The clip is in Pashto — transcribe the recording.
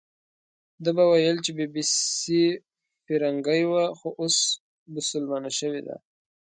ده به ویل چې بي بي سي فیرنګۍ وه، خو اوس بسلمانه شوې ده.